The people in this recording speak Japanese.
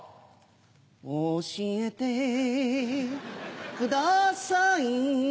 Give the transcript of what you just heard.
おしえてください